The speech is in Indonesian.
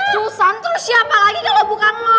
susan terus siapa lagi kalau bukan lo